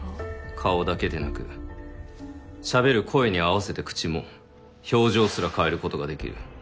顔だけでなく喋る声に合わせて口も表情すら変えることができる。